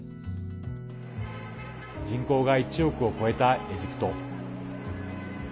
人口が１億を超えたエジプト。